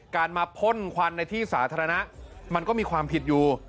การมาพ่นควันในที่สาธารณะมันก็มีความผิดอยู่